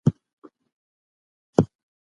د کلماتو نښلول د شاعر په سبک پورې اړه لري.